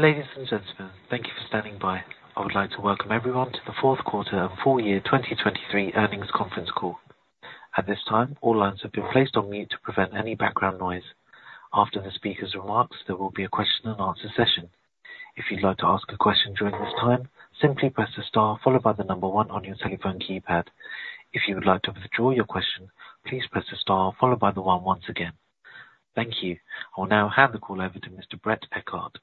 Ladies and gentlemen, thank you for standing by. I would like to welcome everyone to the fourth quarter and full year 2023 earnings conference call. At this time, all lines have been placed on mute to prevent any background noise. After the speaker's remarks, there will be a question-and-answer session. If you'd like to ask a question during this time, simply press the star followed by the number one on your telephone keypad. If you would like to withdraw your question, please press the star followed by the one once again. Thank you. I will now hand the call over to Mr. Bret Eckert,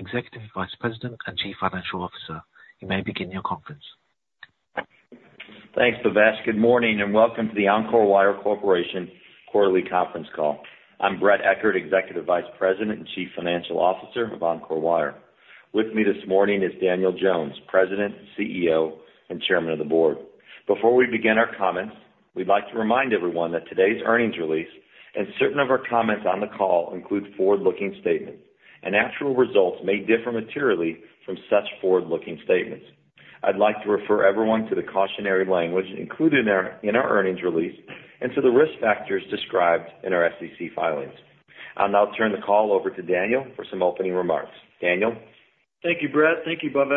Executive Vice President and Chief Financial Officer. You may begin your conference. Thanks, Bhavesh Good morning and welcome to the Encore Wire Corporation quarterly conference call. I'm Bret Eckert, Executive Vice President and Chief Financial Officer of Encore Wire. With me this morning is Daniel Jones, President, CEO, and Chairman of the Board. Before we begin our comments, we'd like to remind everyone that today's earnings release and certain of our comments on the call include forward-looking statements, and actual results may differ materially from such forward-looking statements. I'd like to refer everyone to the cautionary language included in our earnings release and to the risk factors described in our SEC filings. I'll now turn the call over to Daniel for some opening remarks. Daniel? Thank you, Bret. Thank you, Brent.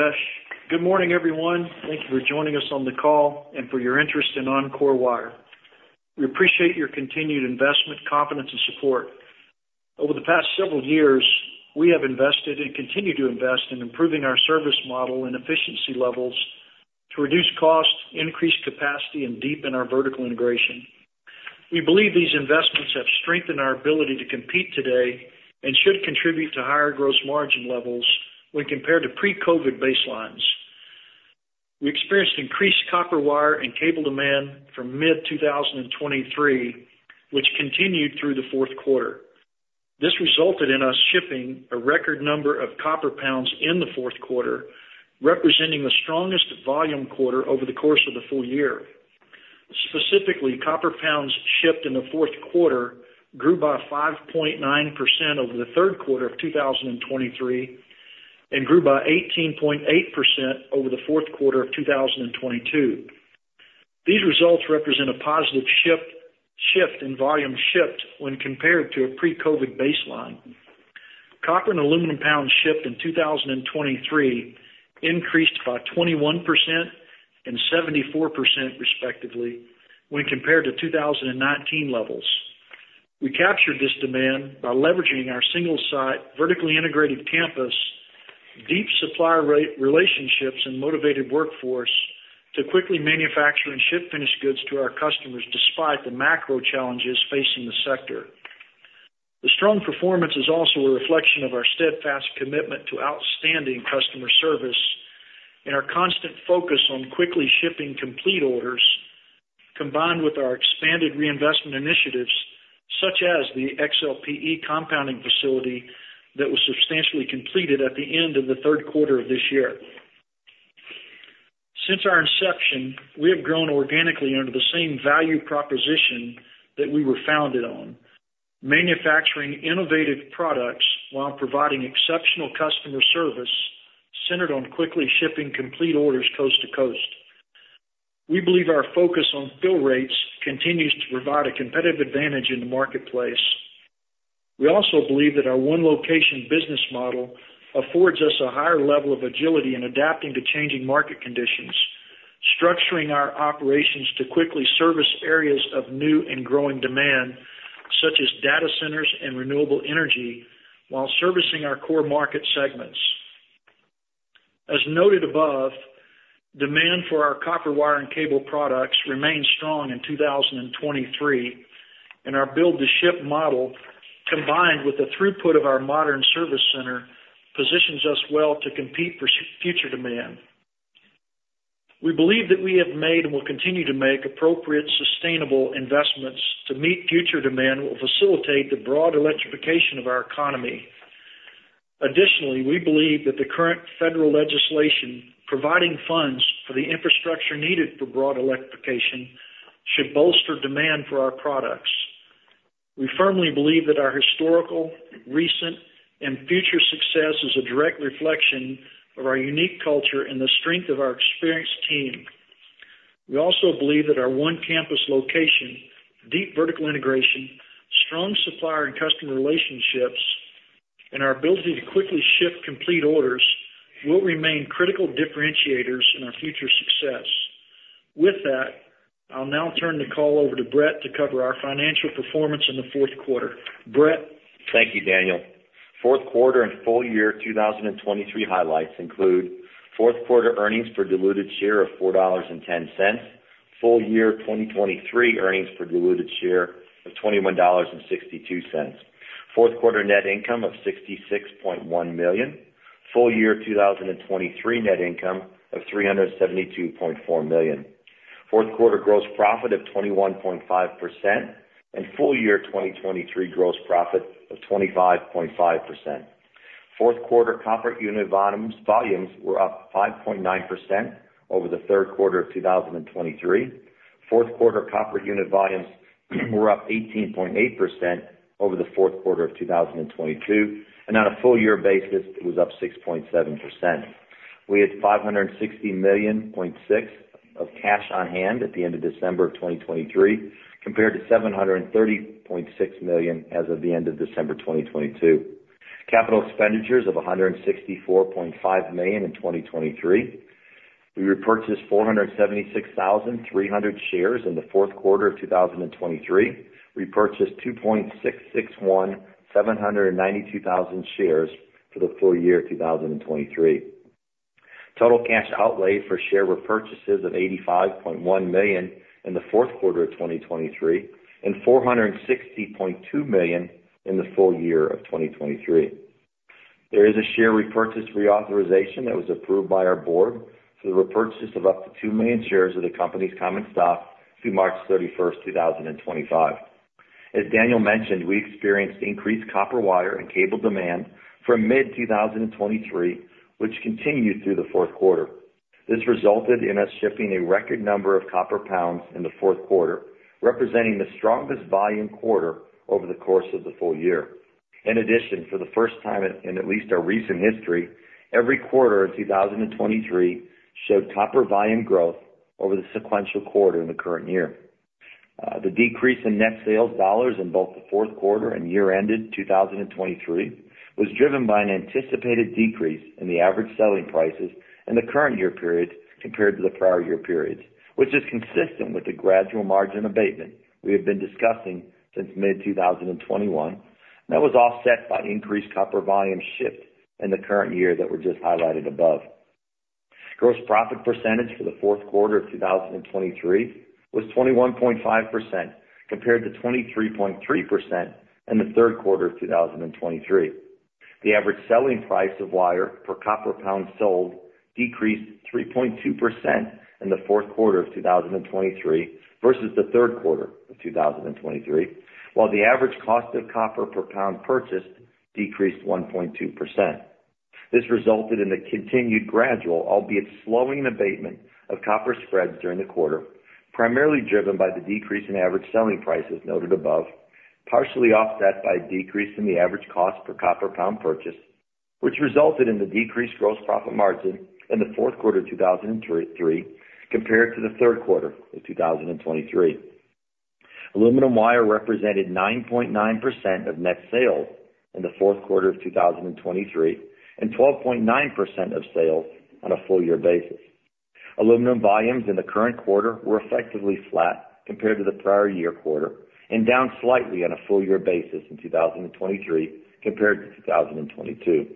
Good morning, everyone. Thank you for joining us on the call and for your interest in Encore Wire. We appreciate your continued investment, confidence, and support. Over the past several years, we have invested and continue to invest in improving our service model and efficiency levels to reduce cost, increase capacity, and deepen our vertical integration. We believe these investments have strengthened our ability to compete today and should contribute to higher gross margin levels when compared to pre-COVID baselines. We experienced increased copper wire and cable demand from mid-2023, which continued through the fourth quarter. This resulted in us shipping a record number of copper pounds in the fourth quarter, representing the strongest volume quarter over the course of the full year. Specifically, copper pounds shipped in the fourth quarter grew by 5.9% over the third quarter of 2023 and grew by 18.8% over the fourth quarter of 2022. These results represent a positive shift in volume shipped when compared to a pre-COVID baseline. Copper and aluminum pounds shipped in 2023 increased by 21% and 74%, respectively, when compared to 2019 levels. We captured this demand by leveraging our single-site, vertically integrated campus, deep supplier relationships, and motivated workforce to quickly manufacture and ship finished goods to our customers despite the macro challenges facing the sector. The strong performance is also a reflection of our steadfast commitment to outstanding customer service and our constant focus on quickly shipping complete orders, combined with our expanded reinvestment initiatives such as the XLPE compounding facility that was substantially completed at the end of the third quarter of this year. Since our inception, we have grown organically under the same value proposition that we were founded on: manufacturing innovative products while providing exceptional customer service centered on quickly shipping complete orders coast to coast. We believe our focus on fill rates continues to provide a competitive advantage in the marketplace. We also believe that our one-location business model affords us a higher level of agility in adapting to changing market conditions, structuring our operations to quickly service areas of new and growing demand such as data centers and renewable energy while servicing our core market segments. As noted above, demand for our copper wire and cable products remains strong in 2023, and our build-to-ship model, combined with the throughput of our modern service center, positions us well to compete for future demand. We believe that we have made and will continue to make appropriate, sustainable investments to meet future demand that will facilitate the broad electrification of our economy. Additionally, we believe that the current federal legislation providing funds for the infrastructure needed for broad electrification should bolster demand for our products. We firmly believe that our historical, recent, and future success is a direct reflection of our unique culture and the strength of our experienced team. We also believe that our one-campus location, deep vertical integration, strong supplier and customer relationships, and our ability to quickly ship complete orders will remain critical differentiators in our future success. With that, I'll now turn the call over to Bret to cover our financial performance in the fourth quarter. Bret? Thank you, Daniel. Fourth quarter and full year 2023 highlights include fourth quarter earnings per diluted share of $4.10, full year 2023 earnings per diluted share of $21.62, fourth quarter net income of $66.1 million, full year 2023 net income of $372.4 million, fourth quarter gross profit of 21.5%, and full year 2023 gross profit of 25.5%. Fourth quarter copper unit volumes were up 5.9% over the third quarter of 2023. Fourth quarter copper unit volumes were up 18.8% over the fourth quarter of 2022, and on a full-year basis, it was up 6.7%. We had $560.6 million of cash on hand at the end of December of 2023 compared to $730.6 million as of the end of December 2022. Capital expenditures of $164.5 million in 2023. We repurchased 476,300 shares in the fourth quarter of 2023, repurchased 2,661,792 shares for the full year 2023. Total cash outlay for share repurchases of $85.1 million in the fourth quarter of 2023 and $460.2 million in the full year of 2023. There is a share repurchase reauthorization that was approved by our board for the repurchase of up to 2 million shares of the company's common stock through March 31st, 2025. As Daniel mentioned, we experienced increased copper wire and cable demand from mid-2023, which continued through the fourth quarter. This resulted in us shipping a record number of copper pounds in the fourth quarter, representing the strongest volume quarter over the course of the full year. In addition, for the first time in at least our recent history, every quarter in 2023 showed copper volume growth over the sequential quarter in the current year. The decrease in net sales dollars in both the fourth quarter and year-ended 2023 was driven by an anticipated decrease in the average selling prices in the current year period compared to the prior year periods, which is consistent with the gradual margin abatement we have been discussing since mid-2021, and that was offset by increased copper volume shift in the current year that were just highlighted above. Gross profit percentage for the fourth quarter of 2023 was 21.5% compared to 23.3% in the third quarter of 2023. The average selling price of wire per copper pound sold decreased 3.2% in the fourth quarter of 2023 versus the third quarter of 2023, while the average cost of copper per pound purchased decreased 1.2%. This resulted in the continued gradual, albeit slowing abatement of copper spreads during the quarter, primarily driven by the decrease in average selling prices noted above, partially offset by a decrease in the average cost per copper pound purchase, which resulted in the decreased gross profit margin in the fourth quarter of 2023 compared to the third quarter of 2023. Aluminum wire represented 9.9% of net sales in the fourth quarter of 2023 and 12.9% of sales on a full-year basis. Aluminum volumes in the current quarter were effectively flat compared to the prior year quarter and down slightly on a full-year basis in 2023 compared to 2022.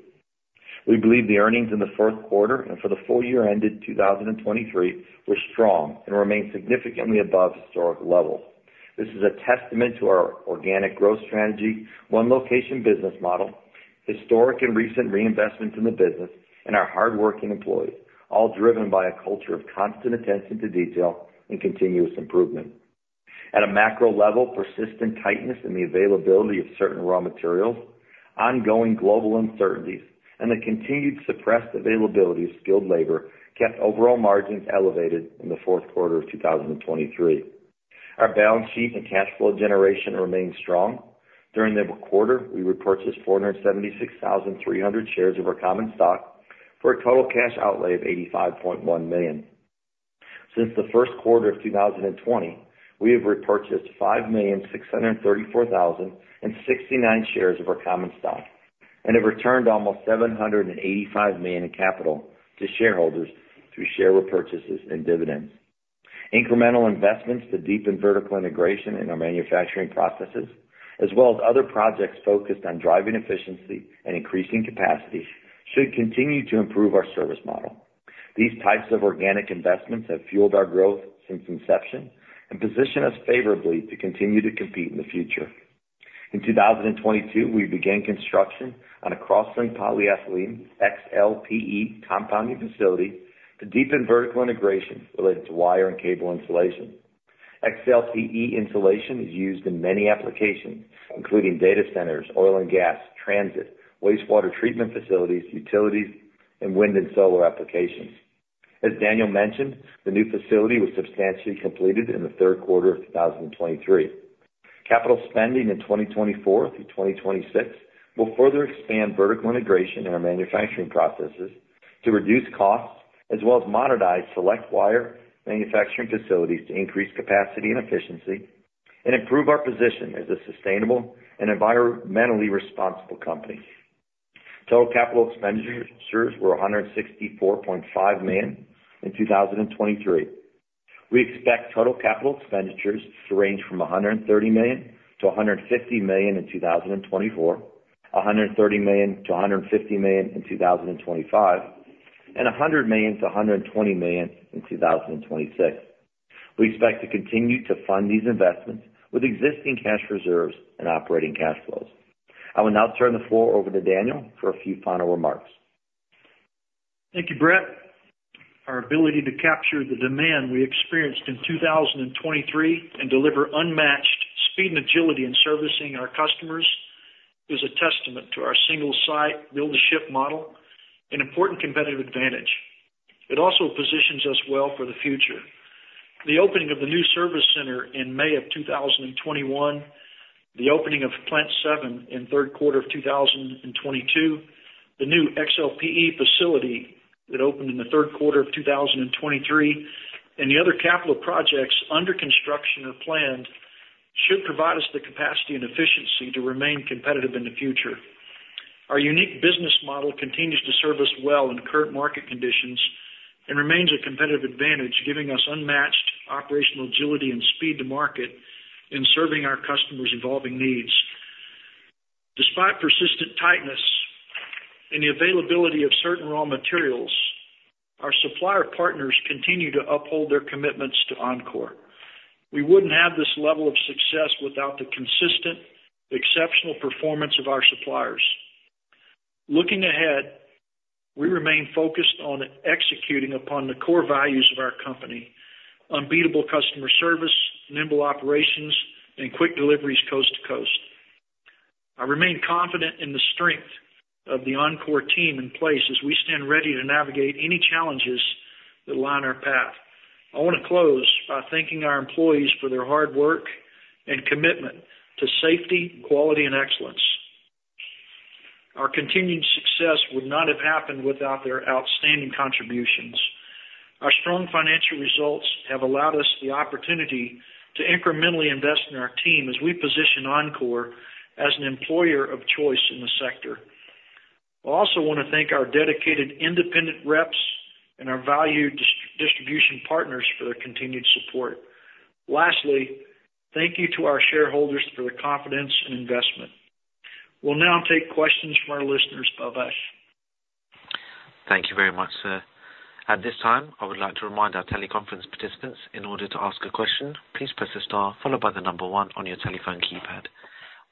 We believe the earnings in the fourth quarter and for the full year-ended 2023 were strong and remain significantly above historic levels. This is a testament to our organic growth strategy, one-location business model, historic and recent reinvestments in the business, and our hardworking employees, all driven by a culture of constant attention to detail and continuous improvement. At a macro level, persistent tightness in the availability of certain raw materials, ongoing global uncertainties, and the continued suppressed availability of skilled labor kept overall margins elevated in the fourth quarter of 2023. Our balance sheet and cash flow generation remained strong. During the quarter, we repurchased 476,300 shares of our common stock for a total cash outlay of $85.1 million. Since the first quarter of 2020, we have repurchased 5,634,069 shares of our common stock and have returned almost $785 million in capital to shareholders through share repurchases and dividends. Incremental investments to deepen vertical integration in our manufacturing processes, as well as other projects focused on driving efficiency and increasing capacity, should continue to improve our service model. These types of organic investments have fueled our growth since inception and position us favorably to continue to compete in the future. In 2022, we began construction on a cross-linked polyethylene XLPE compounding facility to deepen vertical integration related to wire and cable insulation. XLPE insulation is used in many applications, including data centers, oil and gas, transit, wastewater treatment facilities, utilities, and wind and solar applications. As Daniel mentioned, the new facility was substantially completed in the third quarter of 2023. Capital spending in 2024 through 2026 will further expand vertical integration in our manufacturing processes to reduce costs as well as modernize select wire manufacturing facilities to increase capacity and efficiency and improve our position as a sustainable and environmentally responsible company. Total capital expenditures were $164.5 million in 2023. We expect total capital expenditures to range from $130 million-$150 million in 2024, $130 million-$150 million in 2025, and $100 million-$120 million in 2026. We expect to continue to fund these investments with existing cash reserves and operating cash flows. I will now turn the floor over to Daniel for a few final remarks. Thank you, Bret. Our ability to capture the demand we experienced in 2023 and deliver unmatched speed and agility in servicing our customers is a testament to our single-site, build-to-ship model, an important competitive advantage. It also positions us well for the future. The opening of the new service center in May of 2021, the opening of Plant 7 in third quarter of 2022, the new XLPE facility that opened in the third quarter of 2023, and the other capital projects under construction or planned should provide us the capacity and efficiency to remain competitive in the future. Our unique business model continues to serve us well in current market conditions and remains a competitive advantage, giving us unmatched operational agility and speed to market in serving our customers' evolving needs. Despite persistent tightness in the availability of certain raw materials, our supplier partners continue to uphold their commitments to Encore. We wouldn't have this level of success without the consistent, exceptional performance of our suppliers. Looking ahead, we remain focused on executing upon the core values of our company: unbeatable customer service, nimble operations, and quick deliveries coast to coast. I remain confident in the strength of the Encore team in place as we stand ready to navigate any challenges that line our path. I want to close by thanking our employees for their hard work and commitment to safety, quality, and excellence. Our continued success would not have happened without their outstanding contributions. Our strong financial results have allowed us the opportunity to incrementally invest in our team as we position Encore as an employer of choice in the sector. I also want to thank our dedicated independent reps and our valued distribution partners for their continued support. Lastly, thank you to our shareholders for the confidence and investment. We'll now take questions from our listeners. Bhavesh. Thank you very much, sir. At this time, I would like to remind our teleconference participants, in order to ask a question, please press the star followed by the number one on your telephone keypad.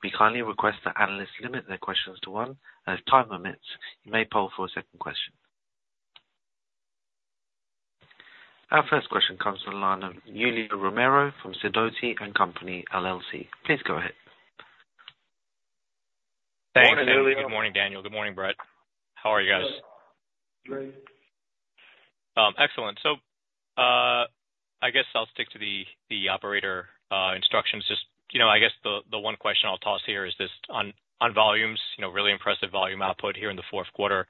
We kindly request that analysts limit their questions to one, and if time permits, you may ask for a second question. Our first question comes from Julio Romero from Sidoti & Company, LLC. Please go ahead. Morning, Julio. Good morning, Daniel. Good morning, Bret. How are you guys? Good. Excellent. So I guess I'll stick to the operator instructions. I guess the one question I'll toss here is this on volumes, really impressive volume output here in the fourth quarter.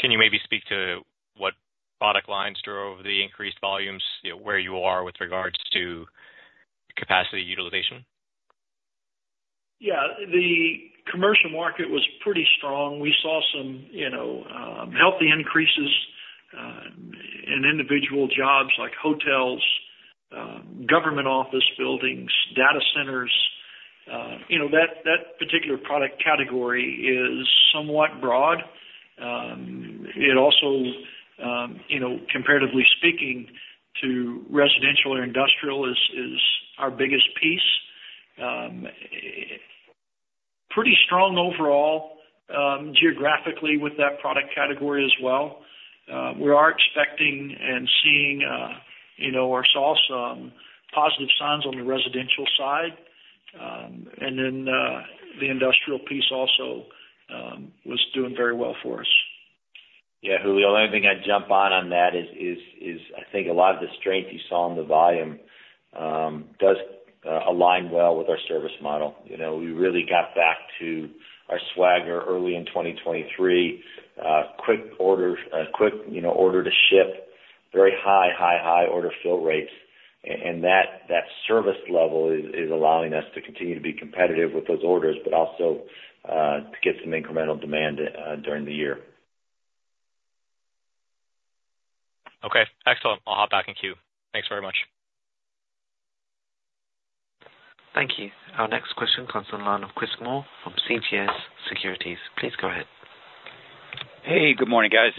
Can you maybe speak to what product lines drew over the increased volumes, where you are with regards to capacity utilization? Yeah. The commercial market was pretty strong. We saw some healthy increases in individual jobs like hotels, government office buildings, data centers. That particular product category is somewhat broad. It also, comparatively speaking to residential or industrial, is our biggest piece. Pretty strong overall geographically with that product category as well. We are expecting and seeing, ourselves, positive signs on the residential side. And then the industrial piece also was doing very well for us. Yeah, Julio, the only thing I'd jump in on that is, I think, a lot of the strength you saw in the volume does align well with our service model. We really got back to our swagger early in 2023: quick order to ship, very high, high, high order fill rates. That service level is allowing us to continue to be competitive with those orders, but also to get some incremental demand during the year. Okay. Excellent. I'll hop back in queue. Thanks very much. Thank you. Our next question comes from the line of Chris Moore from CJS Securities. Please go ahead. Hey. Good morning, guys.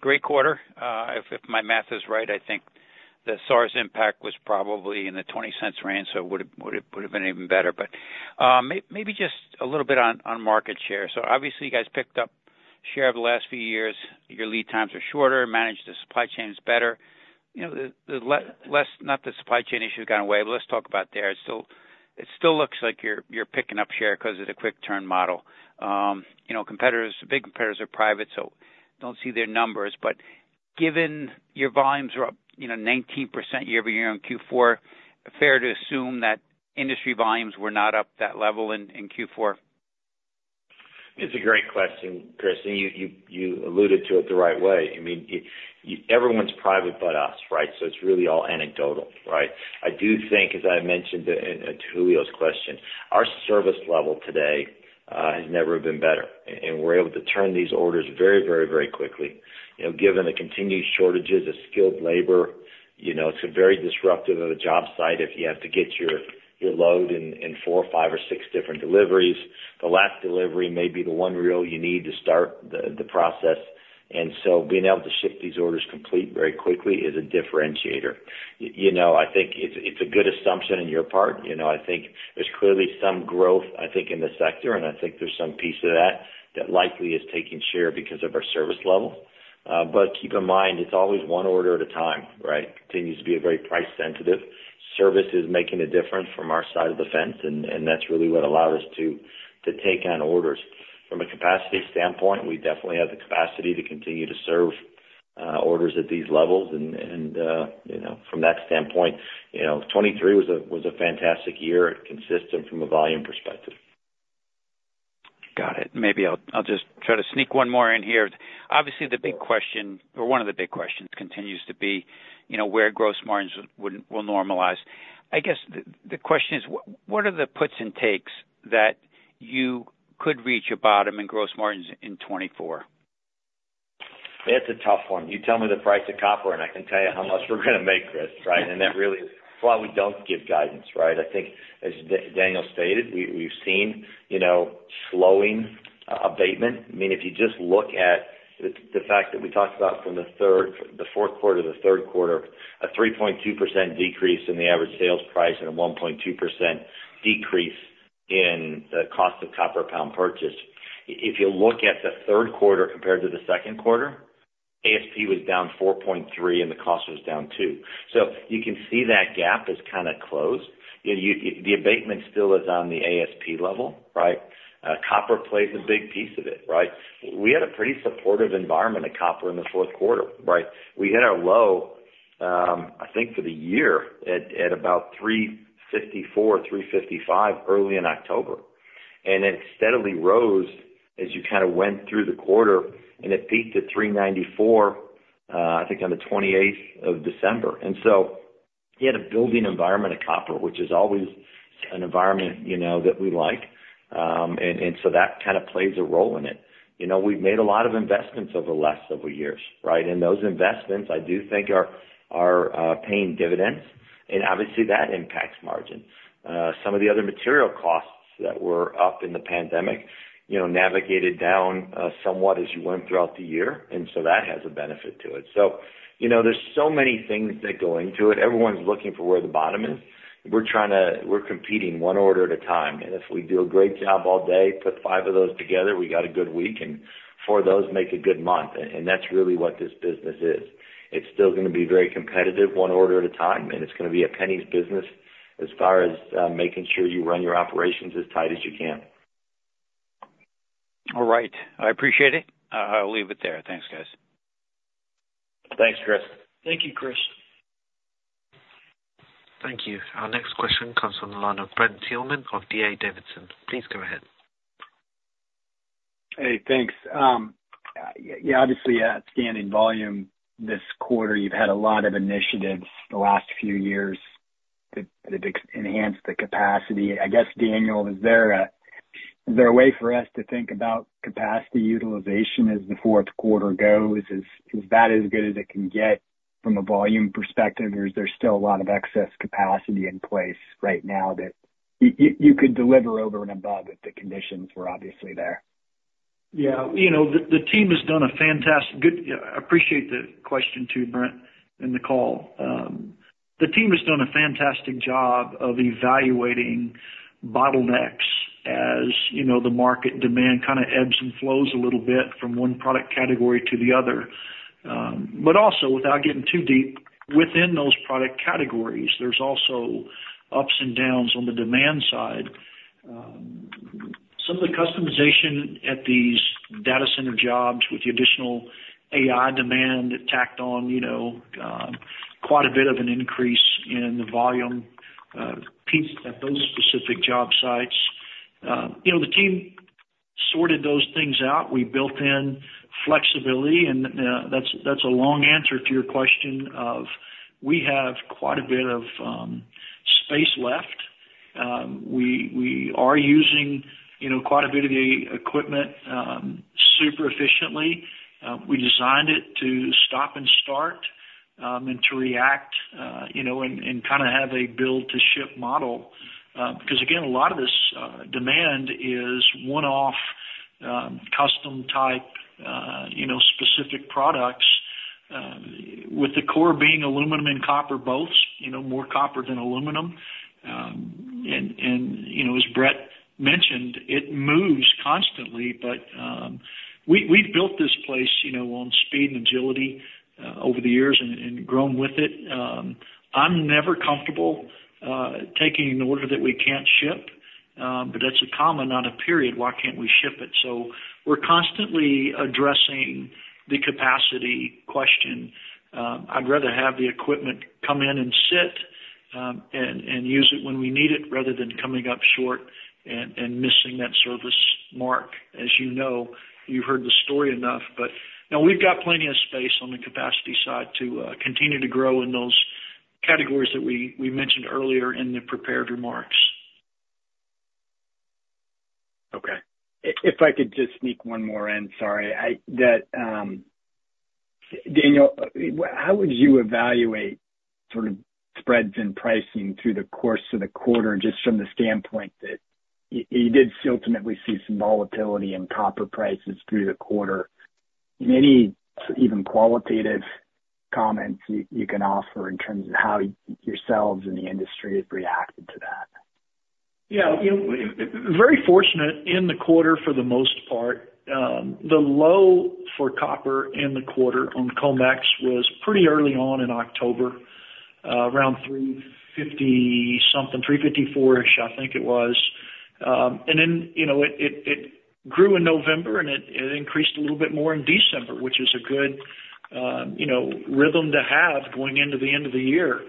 Great quarter. If my math is right, I think the SARs impact was probably in the $0.20 range, so it would have been even better. But maybe just a little bit on market share. So obviously, you guys picked up share over the last few years. Your lead times are shorter, managed the supply chains better. Not the supply chain issue has gone away, but let's talk about there. It still looks like you're picking up share because of the quick-turn model. The big competitors are private, so I don't see their numbers. But given your volumes were up 19% year-over-year in Q4, fair to assume that industry volumes were not up that level in Q4? It's a great question, Chris. You alluded to it the right way. I mean, everyone's private but us, right? So it's really all anecdotal, right? I do think, as I mentioned to Julio's question, our service level today has never been better. We're able to turn these orders very, very, very quickly. Given the continued shortages of skilled labor, it's very disruptive at a job site if you have to get your load in four, five, or six different deliveries. The last delivery may be the one reel you need to start the process. Being able to ship these orders complete very quickly is a differentiator. I think it's a good assumption on your part. I think there's clearly some growth, I think, in the sector, and I think there's some piece of that that likely is taking share because of our service level. But keep in mind, it's always one order at a time, right? It continues to be very price-sensitive. Service is making a difference from our side of the fence, and that's really what allowed us to take on orders. From a capacity standpoint, we definitely have the capacity to continue to serve orders at these levels. And from that standpoint, 2023 was a fantastic year consistent from a volume perspective. Got it. Maybe I'll just try to sneak one more in here. Obviously, the big question or one of the big questions continues to be where gross margins will normalize. I guess the question is, what are the puts and takes that you could reach a bottom in gross margins in 2024? That's a tough one. You tell me the price of copper, and I can tell you how much we're going to make, Chris, right? And that really is why we don't give guidance, right? I think, as Daniel stated, we've seen slowing abatement. I mean, if you just look at the fact that we talked about from the fourth quarter to the third quarter, a 3.2% decrease in the average sales price and a 1.2% decrease in the cost of copper a pound purchased. If you look at the third quarter compared to the second quarter, ASP was down 4.3%, and the cost was down 2%. So you can see that gap is kind of closed. The abatement still is on the ASP level, right? Copper plays a big piece of it, right? We had a pretty supportive environment of copper in the fourth quarter, right? We hit our low, I think, for the year at about 354-355 early in October. It steadily rose as you kind of went through the quarter, and it peaked at 394, I think, on the 28th of December. You had a building environment of copper, which is always an environment that we like. That kind of plays a role in it. We've made a lot of investments over the last several years, right? Those investments, I do think, are paying dividends. Obviously, that impacts margin. Some of the other material costs that were up in the pandemic navigated down somewhat as you went throughout the year. That has a benefit to it. There's so many things that go into it. Everyone's looking for where the bottom is. We're competing one order at a time. If we do a great job all day, put five of those together, we got a good week, and four of those make a good month. That's really what this business is. It's still going to be very competitive, one order at a time. It's going to be a penny's business as far as making sure you run your operations as tight as you can. All right. I appreciate it. I'll leave it there. Thanks, guys. Thanks, Chris. Thank you, Chris. Thank you. Our next question comes from the line of Brent Thielman of D.A. Davidson. Please go ahead. Hey. Thanks. Yeah, obviously, at scaling volume this quarter, you've had a lot of initiatives the last few years that have enhanced the capacity. I guess, Daniel, is there a way for us to think about capacity utilization as the fourth quarter goes? Is that as good as it can get from a volume perspective, or is there still a lot of excess capacity in place right now that you could deliver over and above if the conditions were obviously there? Yeah. I appreciate the question too, Brent, and the call. The team has done a fantastic job of evaluating bottlenecks as the market demand kind of ebbs and flows a little bit from one product category to the other. But also, without getting too deep, within those product categories, there's also ups and downs on the demand side. Some of the customization at these data center jobs with the additional AI demand tacked on quite a bit of an increase in the volume piece at those specific job sites. The team sorted those things out. We built in flexibility. That's a long answer to your question of we have quite a bit of space left. We are using quite a bit of the equipment super efficiently. We designed it to stop and start and to react and kind of have a build-to-ship model. Because again, a lot of this demand is one-off custom-type specific products, with the core being aluminum and copper both, more copper than aluminum. And as Bret mentioned, it moves constantly. But we've built this place on speed and agility over the years and grown with it. I'm never comfortable taking an order that we can't ship. But that's a comma, not a period. Why can't we ship it? So we're constantly addressing the capacity question. I'd rather have the equipment come in and sit and use it when we need it rather than coming up short and missing that service mark. As you know, you've heard the story enough. But we've got plenty of space on the capacity side to continue to grow in those categories that we mentioned earlier in the prepared remarks. Okay. If I could just sneak one more in, sorry, Daniel, how would you evaluate sort of spreads and pricing through the course of the quarter just from the standpoint that you did ultimately see some volatility in copper prices through the quarter? Any even qualitative comments you can offer in terms of how yourselves and the industry have reacted to that? Yeah. Very fortunate in the quarter, for the most part. The low for copper in the quarter on COMEX was pretty early on in October, around 350-something, 354-ish, I think it was. And then it grew in November, and it increased a little bit more in December, which is a good rhythm to have going into the end of the year.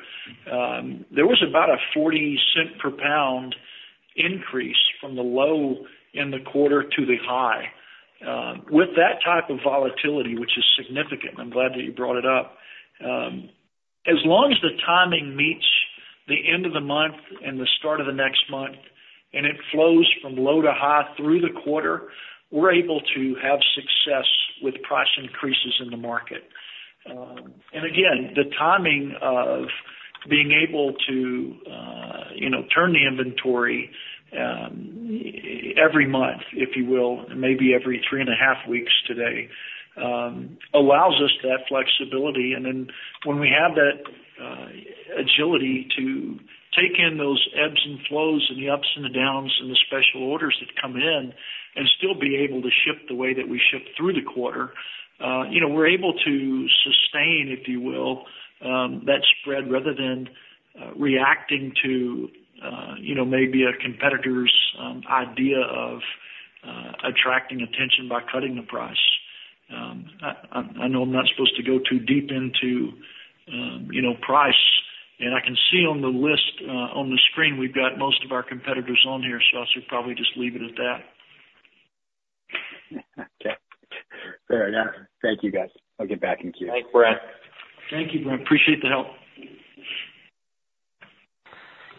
There was about a $0.40 per pound increase from the low in the quarter to the high with that type of volatility, which is significant. I'm glad that you brought it up. As long as the timing meets the end of the month and the start of the next month, and it flows from low to high through the quarter, we're able to have success with price increases in the market. And again, the timing of being able to turn the inventory every month, if you will, and maybe every 3.5 weeks today, allows us that flexibility. And then when we have that agility to take in those ebbs and flows and the ups and the downs and the special orders that come in and still be able to ship the way that we ship through the quarter, we're able to sustain, if you will, that spread rather than reacting to maybe a competitor's idea of attracting attention by cutting the price. I know I'm not supposed to go too deep into price. And I can see on the list on the screen, we've got most of our competitors on here, so I should probably just leave it at that. Okay. Fair enough. Thank you, guys. I'll get back in queue. Thanks, Brent. Thank you, Brent. Appreciate the help.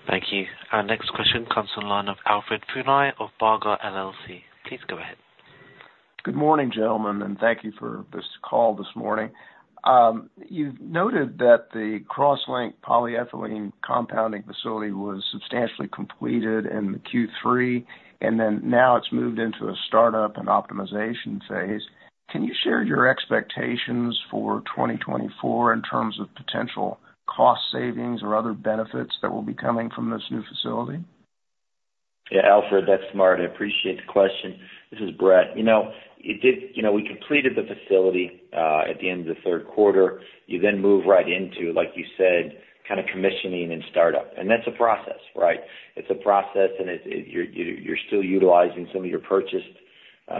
Thank you. Our next question from Alfred Funai of Varga LLC. Please go ahead. Good morning, gentlemen, and thank you for this call this morning. You've noted that the cross-linked polyethylene compounding facility was substantially completed in the Q3, and then now it's moved into a startup and optimization phase. Can you share your expectations for 2024 in terms of potential cost savings or other benefits that will be coming from this new facility? Yeah. Alfred, that's smart. I appreciate the question. This is Brent. We completed the facility at the end of the third quarter. You then move right into, like you said, kind of commissioning and startup. That's a process, right? It's a process, and you're still utilizing some of your purchased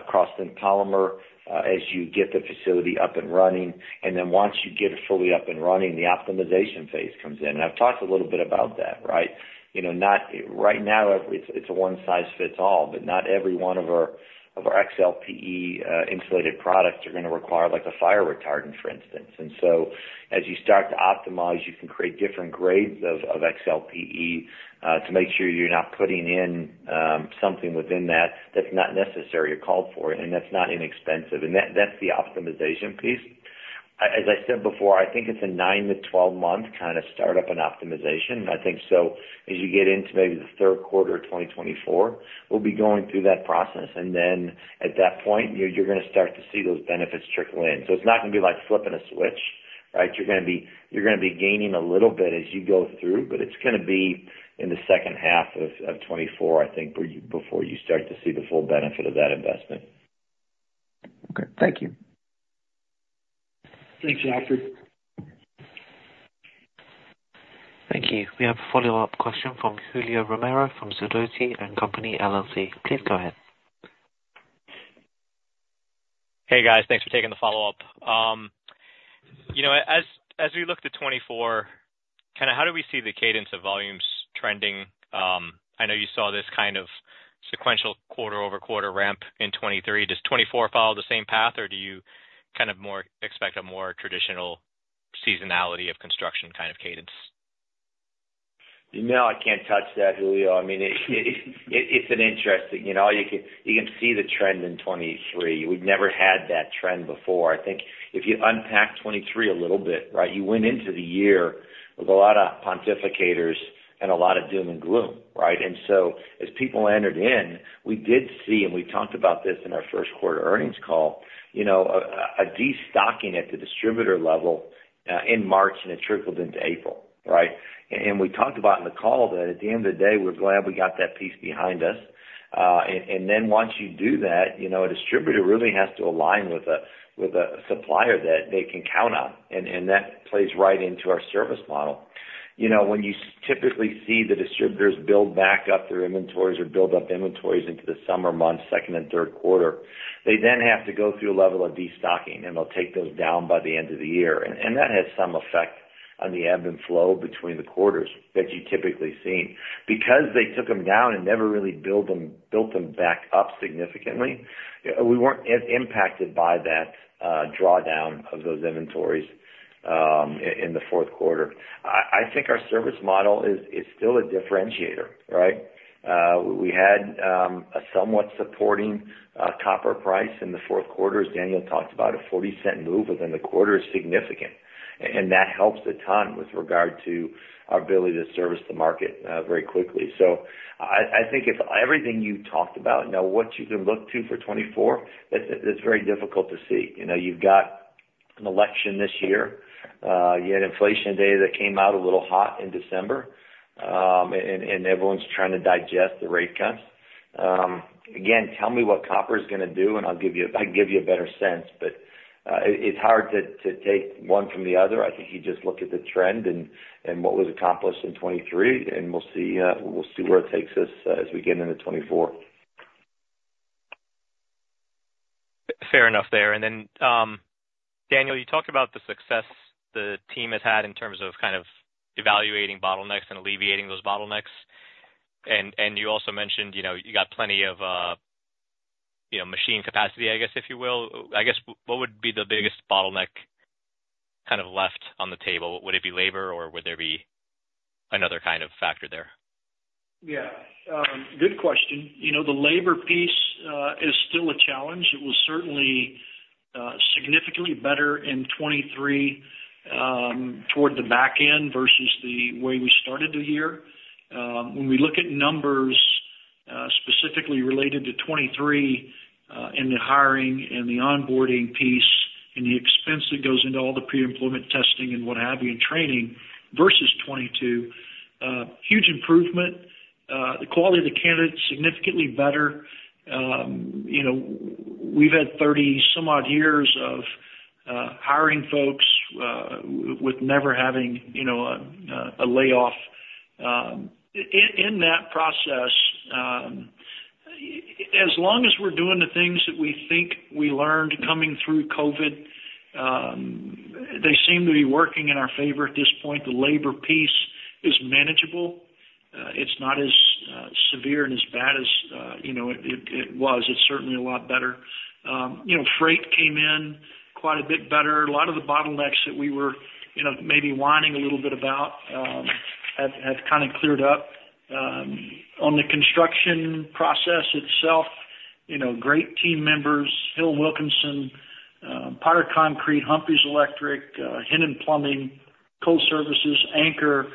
cross-link polymer as you get the facility up and running. Then once you get it fully up and running, the optimization phase comes in. I've talked a little bit about that, right? Right now, it's a one-size-fits-all, but not every one of our XLPE insulated products are going to require a fire retardant, for instance. So as you start to optimize, you can create different grades of XLPE to make sure you're not putting in something within that that's not necessary or called for, and that's not inexpensive. That's the optimization piece. As I said before, I think it's a nine-12-month kind of startup and optimization. I think so. As you get into maybe the third quarter of 2024, we'll be going through that process. And then at that point, you're going to start to see those benefits trickle in. So it's not going to be like flipping a switch, right? You're going to be gaining a little bit as you go through, but it's going to be in the second half of 2024, I think, before you start to see the full benefit of that investment. Okay. Thank you. Thanks, Alfred. Thank you. We have a follow-up question from Julio Romero from Sidoti & Company, LLC. Please go ahead. Hey, guys. Thanks for taking the follow-up. As we look to 2024, kind of how do we see the cadence of volumes trending? I know you saw this kind of sequential quarter-over-quarter ramp in 2023. Does 2024 follow the same path, or do you kind of more expect a more traditional seasonality of construction kind of cadence? No, I can't touch that, Julio. I mean, it's an interesting you can see the trend in 2023. We've never had that trend before. I think if you unpack 2023 a little bit, right, you went into the year with a lot of pontificators and a lot of doom and gloom, right? And so as people entered in, we did see, and we talked about this in our first quarter earnings call, a destocking at the distributor level in March, and it trickled into April, right? And we talked about in the call that at the end of the day, we're glad we got that piece behind us. And then once you do that, a distributor really has to align with a supplier that they can count on. And that plays right into our service model. When you typically see the distributors build back up their inventories or build up inventories into the summer months, second and third quarter, they then have to go through a level of destocking, and they'll take those down by the end of the year. That has some effect on the ebb and flow between the quarters that you've typically seen. Because they took them down and never really built them back up significantly, we weren't as impacted by that drawdown of those inventories in the fourth quarter. I think our service model is still a differentiator, right? We had a somewhat supporting copper price in the fourth quarter, as Daniel talked about. A $0.40 move within the quarter is significant. And that helps a ton with regard to our ability to service the market very quickly. So I think if everything you talked about now, what you can look to for 2024, that's very difficult to see. You've got an election this year. You had inflation data that came out a little hot in December, and everyone's trying to digest the rate cuts. Again, tell me what copper is going to do, and I'll give you a better sense. But it's hard to take one from the other. I think you just look at the trend and what was accomplished in 2023, and we'll see where it takes us as we get into 2024. Fair enough there. And then, Daniel, you talked about the success the team has had in terms of kind of evaluating bottlenecks and alleviating those bottlenecks. And you also mentioned you got plenty of machine capacity, I guess, if you will. I guess what would be the biggest bottleneck kind of left on the table? Would it be labor, or would there be another kind of factor there? Yeah. Good question. The labor piece is still a challenge. It was certainly significantly better in 2023 toward the back end versus the way we started the year. When we look at numbers specifically related to 2023 in the hiring and the onboarding piece and the expense that goes into all the pre-employment testing and what have you and training versus 2022, huge improvement. The quality of the candidates, significantly better. We've had 30-some-odd years of hiring folks with never having a layoff. In that process, as long as we're doing the things that we think we learned coming through COVID, they seem to be working in our favor at this point. The labor piece is manageable. It's not as severe and as bad as it was. It's certainly a lot better. Freight came in quite a bit better. A lot of the bottlenecks that we were maybe whining a little bit about have kind of cleared up. On the construction process itself, great team members: Hill & Wilkinson, Potter Concrete, Humphrey's Electric, H&N Plumbing, Cole Services, Anchor,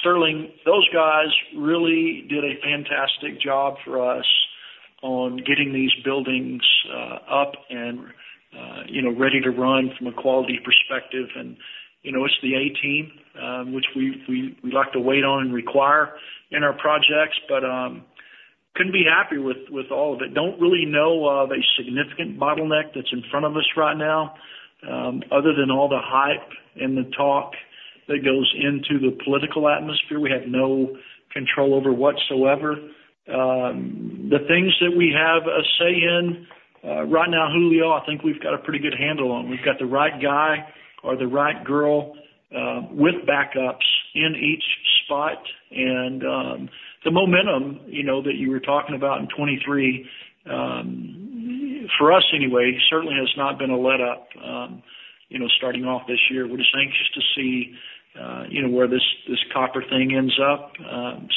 Sterling. Those guys really did a fantastic job for us on getting these buildings up and ready to run from a quality perspective. And it's the A team, which we like to wait on and require in our projects, but couldn't be happy with all of it. Don't really know of a significant bottleneck that's in front of us right now other than all the hype and the talk that goes into the political atmosphere. We have no control over whatsoever. The things that we have a say in right now, Julio, I think we've got a pretty good handle on. We've got the right guy or the right girl with backups in each spot. The momentum that you were talking about in 2023, for us anyway, certainly has not been a letup starting off this year. We're just anxious to see where this copper thing ends up.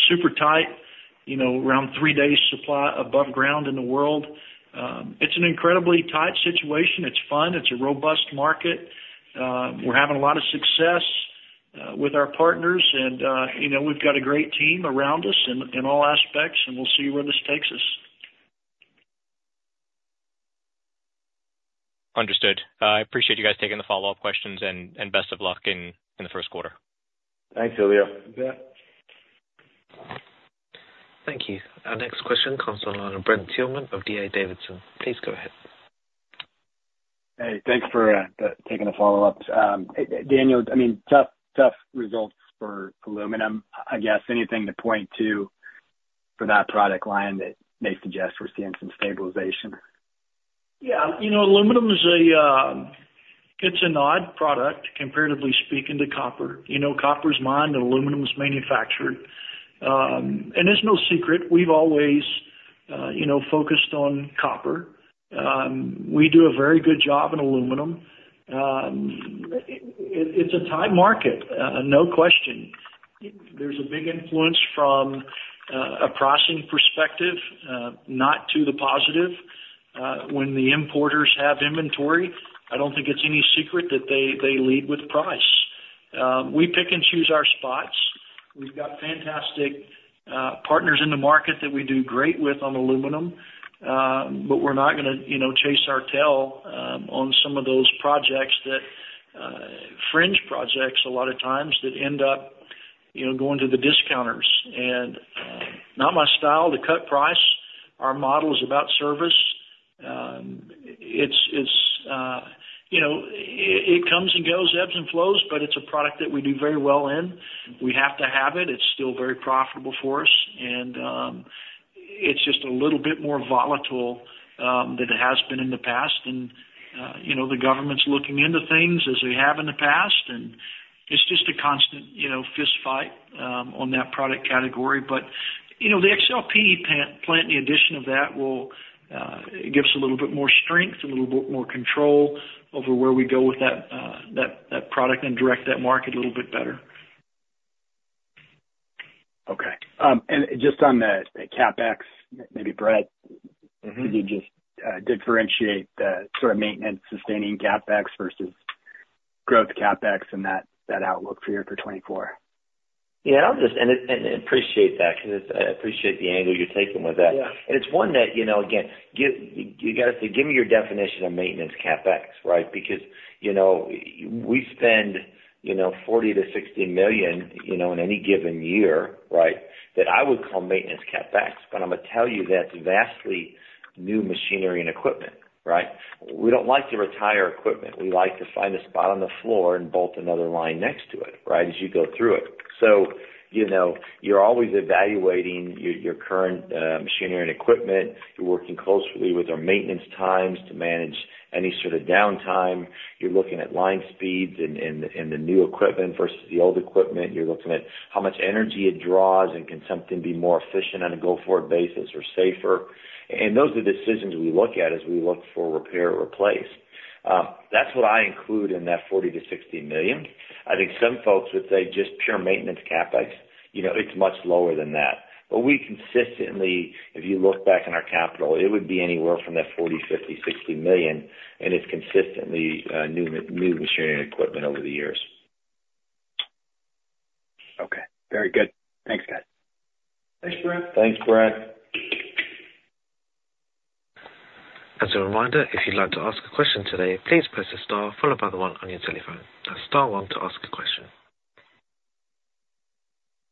Super tight, around three days supply above ground in the world. It's an incredibly tight situation. It's fun. It's a robust market. We're having a lot of success with our partners, and we've got a great team around us in all aspects. We'll see where this takes us. Understood. I appreciate you guys taking the follow-up questions, and best of luck in the first quarter. Thanks, Julio. Thank you. Our next question from Brent Thielman of D.A. Davidson. Please go ahead. Hey. Thanks for taking the follow-up. Daniel, I mean, tough results for aluminum, I guess. Anything to point to for that product line that may suggest we're seeing some stabilization? Yeah. Aluminum is. It's an odd product, comparatively speaking, to copper. Copper's mined, and aluminum is manufactured. It's no secret. We've always focused on copper. We do a very good job in aluminum. It's a tight market, no question. There's a big influence from a pricing perspective, not to the positive. When the importers have inventory, I don't think it's any secret that they lead with price. We pick and choose our spots. We've got fantastic partners in the market that we do great with on aluminum, but we're not going to chase our tail on some of those projects that fringe projects a lot of times that end up going to the discounters. Not my style to cut price. Our model is about service. It comes and goes, ebbs and flows, but it's a product that we do very well in. We have to have it. It's still very profitable for us, and it's just a little bit more volatile than it has been in the past. And the government's looking into things as they have in the past, and it's just a constant fistfight on that product category. But the XLPE plant, in addition to that, gives us a little bit more strength, a little bit more control over where we go with that product and direct that market a little bit better. Okay. And just on the CapEx, maybe Brent, could you just differentiate the sort of maintenance-sustaining CapEx versus growth CapEx and that outlook for you for 2024? Yeah. And I appreciate that because I appreciate the angle you're taking with that. And it's one that again, you got to say, "Give me your definition of maintenance CapEx," right? Because we spend $40 million-$60 million in any given year, right, that I would call maintenance CapEx. But I'm going to tell you that's vastly new machinery and equipment, right? We don't like to retire equipment. We like to find a spot on the floor and bolt another line next to it, right, as you go through it. So you're always evaluating your current machinery and equipment. You're working closely with our maintenance teams to manage any sort of downtime. You're looking at line speeds and the new equipment versus the old equipment. You're looking at how much energy it draws and can something be more efficient on a go-forward basis or safer. Those are decisions we look at as we look for repair or replace. That's what I include in that $40 million-$60 million. I think some folks would say just pure maintenance CapEx. It's much lower than that. But we consistently, if you look back in our capital, it would be anywhere from that $40 million, $50 million, $60 million. And it's consistently new machinery and equipment over the years. Okay. Very good. Thanks, guys. Thanks, Brent. Thanks, Brent. As a reminder, if you'd like to ask a question today, please press the star followed by the one on your telephone. That's star one to ask a question.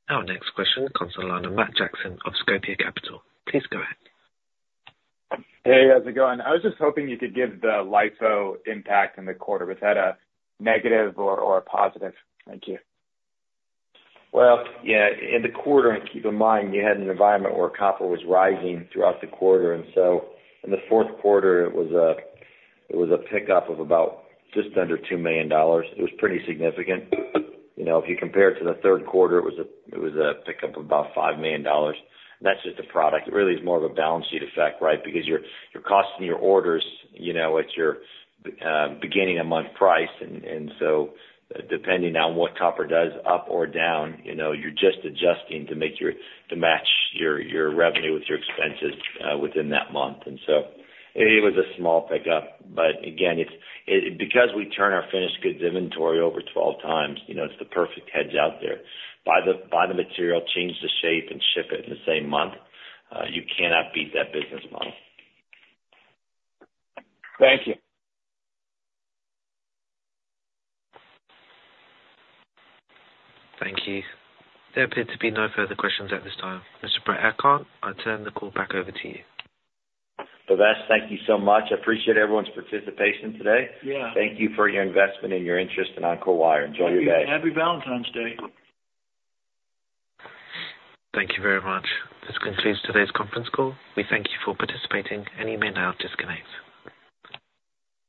Our next question from Matt Jackson of Scopia Capital. Please go ahead. Hey. How's it going? I was just hoping you could give the LIFO impact in the quarter. Was that a negative or a positive? Thank you. Well, yeah. In the quarter, and keep in mind, you had an environment where copper was rising throughout the quarter. And so in the fourth quarter, it was a pickup of about just under $2 million. It was pretty significant. If you compare it to the third quarter, it was a pickup of about $5 million. And that's just a product. It really is more of a balance sheet effect, right, because you're costing your orders at your beginning-of-month price. And so depending on what copper does, up or down, you're just adjusting to match your revenue with your expenses within that month. And so it was a small pickup. But again, because we turn our finished goods inventory over 12 times, it's the perfect hedge out there. Buy the material, change the shape, and ship it in the same month, you cannot beat that business model. Thank you. Thank you. There appear to be no further questions at this time. Mr. Bret Eckert, I turn the call back over to you. Bhavesh, thank you so much. I appreciate everyone's participation today. Thank you for your investment and your interest in Encore Wire. Enjoy your day. Thank you. Happy Valentine's Day. Thank you very much. This concludes today's conference call. We thank you for participating, and you may now disconnect.